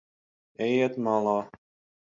Ejiet malā.